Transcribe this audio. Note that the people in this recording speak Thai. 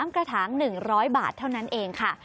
กระถาง๑๐๐บาทเท่านั้นเองค่ะ